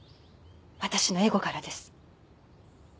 私のエゴからです。